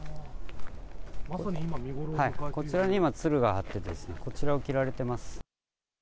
まさに今、こちらに今、つるがあって、こちらを切られてます。